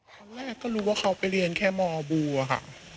ครั้งแรกก็รู้ว่าเขาไปเรียนแค่มบูอะค่ะ